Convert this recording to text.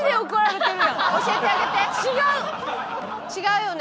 違うよね。